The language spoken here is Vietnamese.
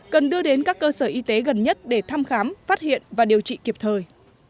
cần đưa đến các cơ sở y tế gần nhất để thăm khám phát hiện và điều trị kịp thời